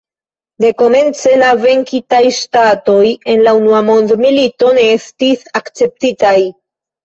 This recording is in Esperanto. Dekomence la venkitaj ŝtatoj en la Unua Mondmilito ne estis akceptitaj.